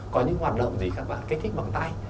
có những hoạt động gì các bạn kích thích bằng tay